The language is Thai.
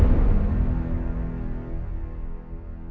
โปรดติดตามตอนต่อไป